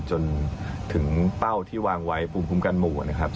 จนถึงเป้าที่วางไว้ภูมิคุ้มกันหมู่นะครับ